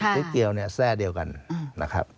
เจ๊เกี๊ยวแทร่เดียวกันนะครับ